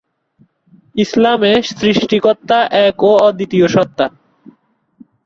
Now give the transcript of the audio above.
ইসলামে সৃষ্টিকর্তা এক ও অদ্বিতীয় সত্ত্বা।